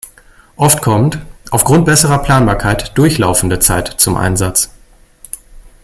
Oft kommt, aufgrund besserer Planbarkeit, durchlaufende Zeit zum Einsatz.